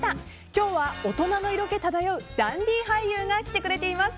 今日は大人の色気漂うダンディー俳優が来てくれています。